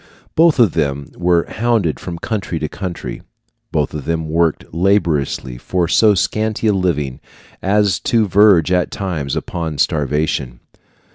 Both of them were hounded from country to country; both of them worked laboriously for so scanty a living as to verge, at times, upon starvation.